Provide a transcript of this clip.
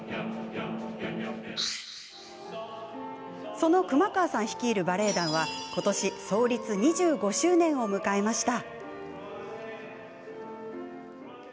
その熊川さん率いるバレエ団は今年、創立２５周年を迎えました。